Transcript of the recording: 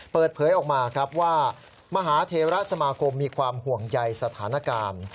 เปิดเผยออกมาครับว่ามหาเทราสมาคมมีความห่วงใยสถานการณ์